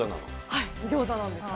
はい、ギョーザなんです。